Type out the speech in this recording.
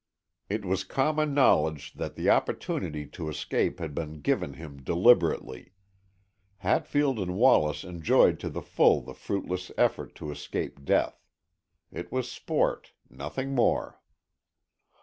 It was common knowledge that the opportunity to escape had been given him deliberately. Hatfield and Wallace enjoyed to the full the fruitless effort to escape death. It was sport, nothing more.